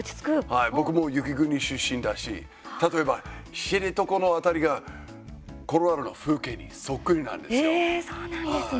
僕も雪国出身だし例えば、知床の辺りがコロラドの風景にええ、そうなんですね。